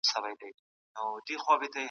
عالمان وایي چي زکات فرض دی.